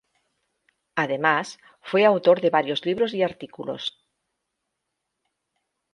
Además, fue autor de varios libros y artículos.